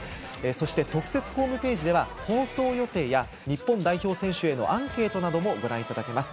そして、特設ホームページでは放送予定や日本代表へのアンケートなどもご覧いただけます。